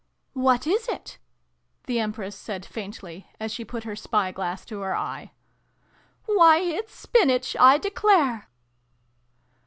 " What is it ?" the Empress said faintly, as she put her spy glass to her eye. " Why, it's Spinach, I declare